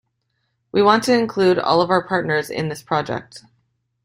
We want to include all of our partners in this project.